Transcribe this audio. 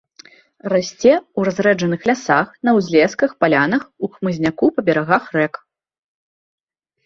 Расце ў разрэджаных лясах, на ўзлесках, палянах, у хмызняку па берагах рэк.